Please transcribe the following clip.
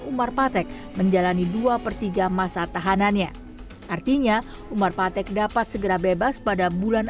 umar patek menjalani dua per tiga masa tahanannya artinya umar patek dapat segera bebas pada bulan